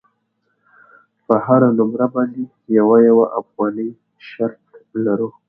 پر هره نمره باندې یوه یوه افغانۍ شرط لرو.